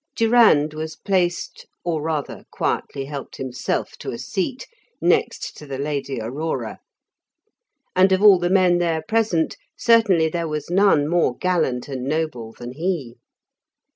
Durand was placed, or rather, quietly helped himself to a seat, next to the Lady Aurora, and of all the men there present, certainly there was none more gallant and noble than he.